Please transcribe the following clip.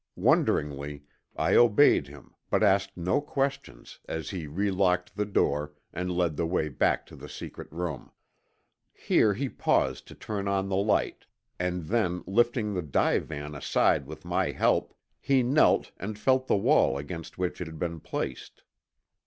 Wonderingly I obeyed him but asked no questions as he relocked the door and led the way back to the secret room. Here he paused to turn on the light and then lifting the divan aside with my help, he knelt and felt the wall against which it had been placed.